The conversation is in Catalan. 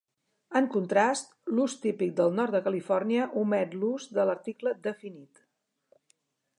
En contrast, l'ús típic del nord de Califòrnia omet l'ús de l'article definit.